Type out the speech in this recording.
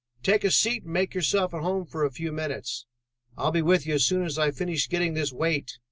"Take a seat and make yourself at home for a few minutes. I'll be with you as soon as I finish getting this weight."